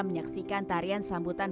menyaksikan tarian sambutan